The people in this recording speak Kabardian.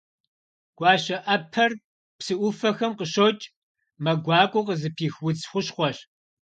Гуащэӏэпэр псы ӏуфэхэм къыщокӏ, мэ гуакӏуэ къызыпих удз хущхъуэщ.